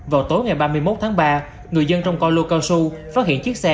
vào tối ngày ba mươi một tháng ba người dân trong coi lô cao su phát hiện chiếc xe